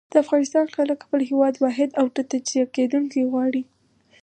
د افغانستان خلک خپل هېواد واحد او نه تجزيه کېدونکی غواړي.